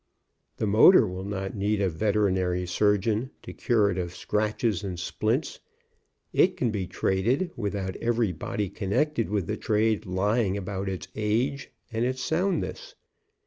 The motor will not need a veterinary surgeon to cure it of scratches and splints. It can be traded without every body connected with the trade lying about its age and its soundness.